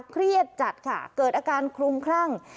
เครียดจัดค่ะเกิดอาการคลุมคลั่ง